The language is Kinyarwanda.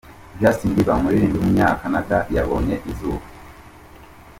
Justin Bieber, umuririmbyi w’umunyakanada yabonye izuba.